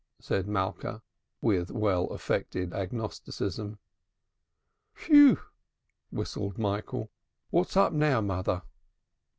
said Malka, with well affected agnosticism. "Phew!" whistled Michael. "What's up now, mother?"